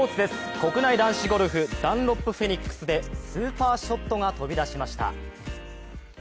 国内男子ゴルフ、ダンロップフェニックスでスーパーショットが飛び出しました。